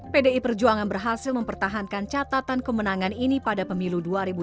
pdi perjuangan berhasil mempertahankan catatan kemenangan ini pada pemilu dua ribu sembilan belas